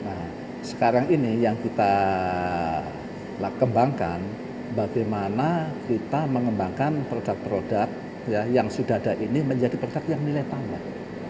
nah sekarang ini yang kita kembangkan bagaimana kita mengembangkan produk produk yang sudah ada ini menjadi produk yang nilai tambah